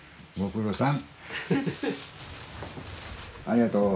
ありがとう。